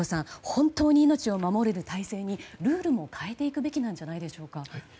本当に命を守れる体制にルールも変えていくべきなんじゃないでしょうか。